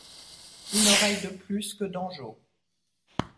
Une oreille de plus que Dangeau.